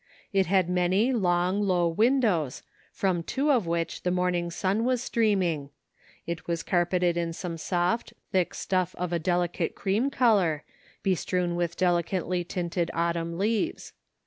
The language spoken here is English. It had many long, low windows, from two of which the morning sun was streaming ; it was carpeted in some soft, thick stuff of a delicate cream color, bestrewn with delicately tinted autumn leaves.